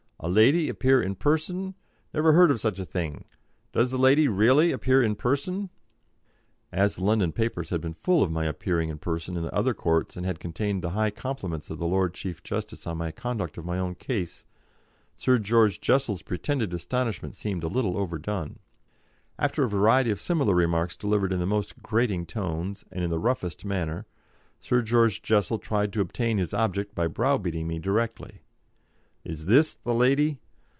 A lady appear in person? Never heard of such a thing! Does the lady really appear in person?" As the London papers had been full of my appearing in person in the other courts and had contained the high compliments of the Lord Chief Justice on my conduct of my own case, Sir George Jessel's pretended astonishment seemed a little overdone. After a variety of similar remarks delivered in the most grating tones and in the roughest manner, Sir George Jessel tried to obtain his object by browbeating me directly. "Is this the lady?"